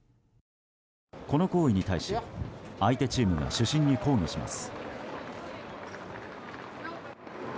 この行為に対し、相手チームが主審に抗議します。